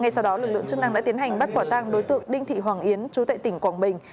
ngay sau đó lực lượng chức năng đã tiến hành bắt quả tăng đối tượng đinh thị hoàng yến trú tại tỉnh quảng bình